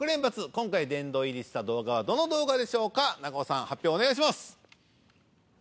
今回殿堂入りした動画はどの動画でしょうか長尾さん発表お願いします